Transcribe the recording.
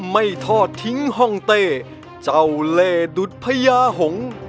ไม่ทอดทิ้งห้องเต้เจ้าเล่ดุดพญาหงษ์